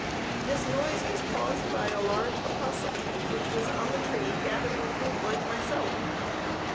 This noise was caused by a large opossum, which was on the tree gathering fruit like myself.